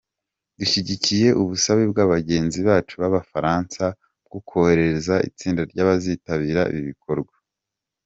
Dushyigikiye ubusabe bwa bagenzi bacu b’Abafaransa bwo kohereza itsinda ry’abazitabira ibi bikorwa.